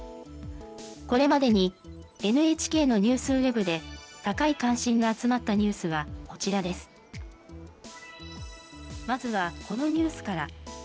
これまでにＮＨＫのニュースウェブで、高い関心が集まったニュースはこちらです。